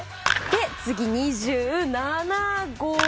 次に２７号。